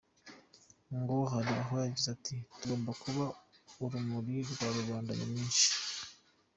Ngo hari aho yagize ati “Tugomba kuba urumuri rwa rubanda nyamwinshi.